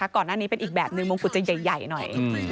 ก่อนหน้านี้เป็นอีกแบบนึงมงกุฎจะใหญ่หน่อย